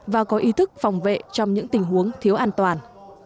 và có ý thức phòng vệ trong những tình huống thiếu an toàn